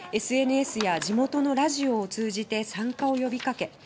ＳＮＳや地元のラジオを通じて参加を呼びかけ